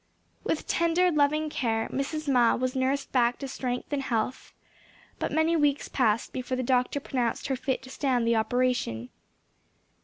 With tender loving care Mrs. Ma was nursed back to strength and health; but many weeks passed before the doctor pronounced her fit to stand the operation.